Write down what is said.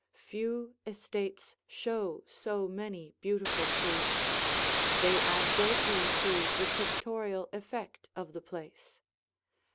Few estates show so many beautiful trees; they add greatly to the pictorial effect of the place.